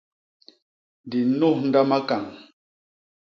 Di nnôndha makañ.